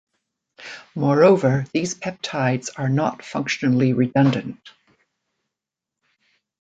Moreover, these peptides are not functionally redundant.